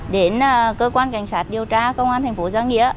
đến cơ quan cảnh sát điều tra công an thành phố giang nghĩa